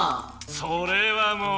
それはもう！